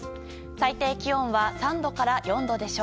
最低気温は３度から４度でしょう。